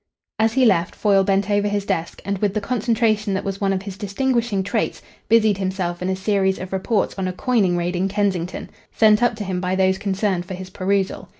As he left Foyle bent over his desk and, with the concentration that was one of his distinguishing traits, busied himself in a series of reports on a coining raid in Kensington, sent up to him by those concerned for his perusal.